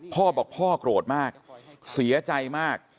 พ่อบอกพ่อโกรธมากเสียใจมาก